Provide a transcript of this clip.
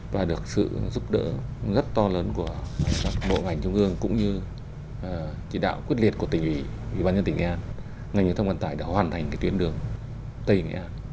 và được sự giúp đỡ rất to lớn của bộ ngành trung ương cũng như chỉ đạo quyết liệt của tỉnh ủy ủy ban nhân tỉnh nghệ an ngành giao thông vận tải đã hoàn thành tuyến đường tây nghệ an